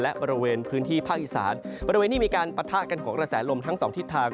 และบริเวณพื้นที่ภาคอีสานบริเวณที่มีการปะทะกันของกระแสลมทั้งสองทิศทาง